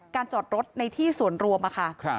จอดรถในที่ส่วนรวมค่ะ